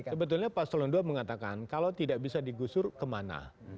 sebetulnya pak solon ii mengatakan kalau tidak bisa digusur kemana